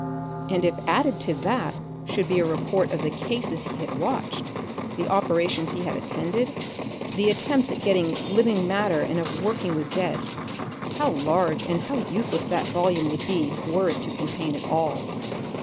And if added to that should be a report of the cases he had watched, the operations he had attended, the attempts at getting living matter and of working with dead, how large and how useless that volume would be were it to contain it all!